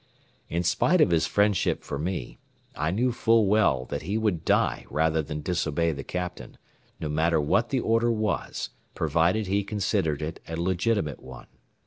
In spite of his friendship for me, I knew full well that he would die rather than disobey the captain, no matter what the order was, provided he considered it a legitimate one.